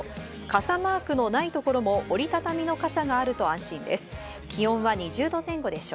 傘マークのないところも折り畳みの傘があると安心です。